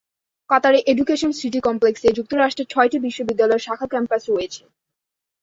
কাতারের education city কমপ্লেক্সে যুক্তরাষ্ট্রের ছয়টি বিশ্ববিদ্যালয়ের শাখা ক্যাম্পাস রয়েছে।